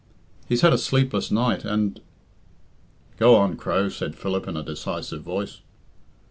He's had a sleepless night and " "Go on, Crow," said Philip, in a decisive voice.